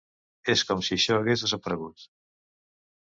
És com si això hagués desaparegut.